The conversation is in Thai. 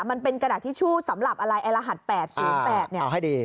มันเป็นกระดาษทิชชู่สำหรับอะไรไอ้รหัสแปดศูนย์แปดเนี่ยเอาให้ดี